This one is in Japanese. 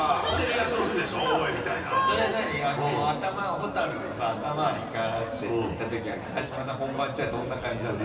蛍のさ頭光らせてって言った時は川島さん本番中はどんな感じだったの？